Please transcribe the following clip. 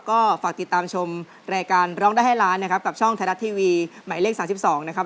ก็ฝากติดตามชมรายการร้องได้ให้ล้านนะครับกับช่องไทยรัฐทีวีหมายเลข๓๒นะครับ